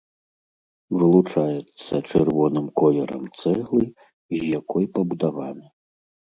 Вылучаецца чырвоным колерам цэглы, з якой пабудаваны.